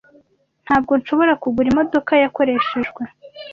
Ntabwo nshobora kugura imodoka yakoreshejwe.